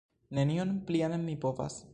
Nenion plian mi povas!